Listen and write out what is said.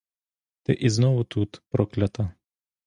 Ти ізнову тут, проклята!